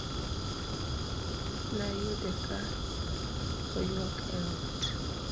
Nayude ka oywak e ot